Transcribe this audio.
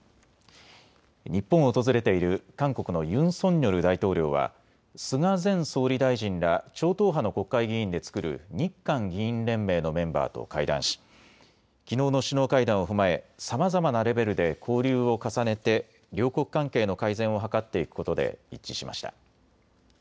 日本を訪れている韓国のユン・ソンニョル大統領は菅前総理大臣ら超党派の国会議員で作る日韓議員連盟のメンバーと会談しきのうの首脳会談を踏まえさまざまなレベルで交流を重ねて両国関係の改善を図っていくことで一致しました。